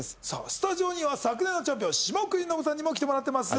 スタジオには昨年のチャンピオン下國伸さんにも来てもらってます